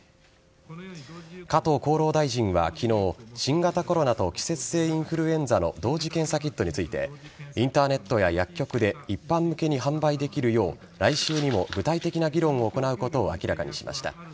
加藤厚労大臣は昨日新型コロナと季節性インフルエンザの同時検査キットについてインターネットや薬局で一般向けに販売できるよう来週にも具体的な議論を行うことを明らかにしました。